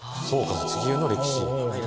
地球の歴史。